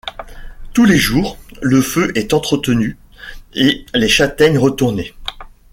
Tous les jours, le feu est entretenu et les châtaignes retournées.